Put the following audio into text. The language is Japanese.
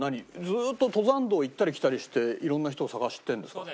ずっと登山道を行ったり来たりしていろんな人を探してるんですか？